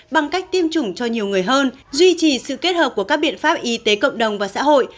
bằng cách tiêm chủng cho nhiều người hơn duy trì sự kết hợp của các biện pháp y tế cộng đồng và xã hội